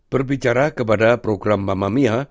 berbicara kepada program mama mia